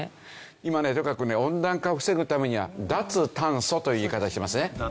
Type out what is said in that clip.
今ねとにかくね温暖化を防ぐためには脱炭素という言い方をしますね。